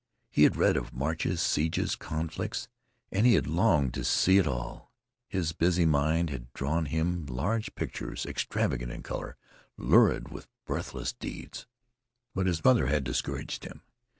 He had read of marches, sieges, conflicts, and he had longed to see it all. His busy mind had drawn for him large pictures extravagant in color, lurid with breathless deeds. But his mother had discouraged him.